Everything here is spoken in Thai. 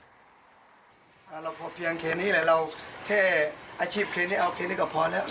เราพอเพียงแค่นี้แหละเราแค่อาชีพเคนี้เอาเคสนี้ก็พอแล้ว